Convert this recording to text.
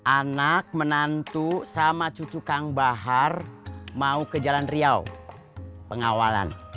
anak menantu sama cucu kang bahar mau ke jalan riau pengawalan